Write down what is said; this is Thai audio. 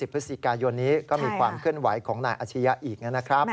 พฤศจิกายนนี้ก็มีความเคลื่อนไหวของนายอาชียะอีกนะครับ